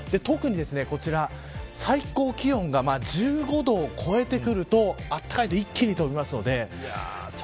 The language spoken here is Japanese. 特にこちら、最高気温が１５度を超えてくると暖かいと一気に飛びますので。